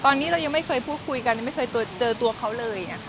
ตอนนี้เรายังไม่เคยพูดคุยกันยังไม่เคยเจอตัวเขาเลย